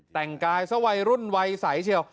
แต่งกายซะวัยรุ่นวัยใสเชียว